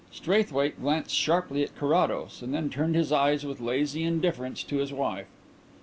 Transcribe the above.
Straithwaite glanced sharply at Carrados and then turned his eyes with lazy indifference to his wife.